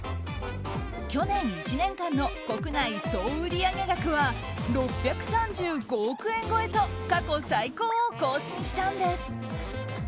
去年１年間の国内総売上額は６３５億円超えと過去最高を更新したんです。